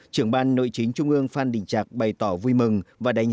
trưởng ban nội chính trung ương phan đình trạc bày tỏ vui mừng và đánh giá